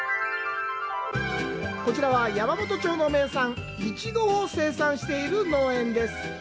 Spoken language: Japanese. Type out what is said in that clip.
こちらは、山元町の名産、イチゴを生産している農園です。